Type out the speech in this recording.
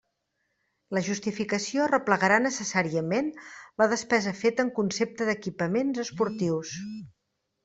La justificació replegarà necessàriament la despesa feta en concepte d'equipaments esportius.